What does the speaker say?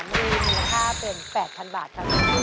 มีเหนือค่าเป็น๘๐๐๐บาท